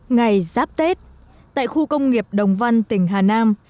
ngày giáp tết tại khu công nghiệp đồng văn tỉnh hà nam